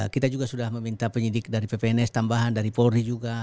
kita juga sudah meminta penyidik dari ppns tambahan dari polri juga